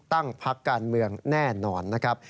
ตั้งพักการเมืองแน่นอนนะครับ